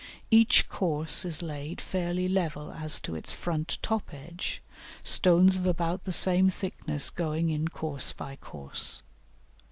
Each course is laid fairly level as to its front top edge, stones of about the same thickness going in course by course.